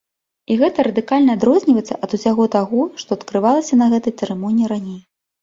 І гэта радыкальна адрозніваецца ад усяго таго, што адкрывалася на гэтай цырымоніі раней.